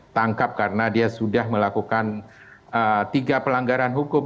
tangkap karena dia sudah melakukan tiga pelanggaran hukum